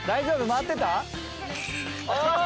回ってた？